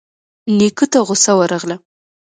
نيکه ته غوسه ورغله.